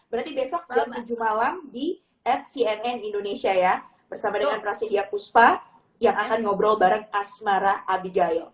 berarti besok jam tujuh malam di at cnn indonesia ya bersama dengan prasidya puspa yang akan ngobrol bareng asmara abigail